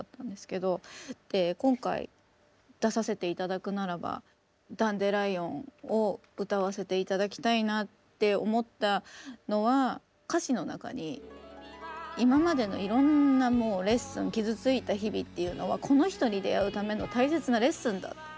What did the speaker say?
で今回出させて頂くならば「ダンデライオン」を歌わせて頂きたいなって思ったのは歌詞の中に今までのいろんなもうレッスン傷ついた日々っていうのはこの人に出逢うための大切なレッスンだった。